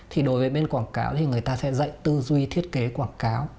thì đối với bên quảng cáo thì người ta sẽ dạy tư duy thiết kế quảng cáo